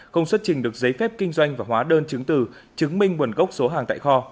không xuất trình được giấy phép kinh doanh và hóa đơn chứng từ chứng minh nguồn gốc số hàng tại kho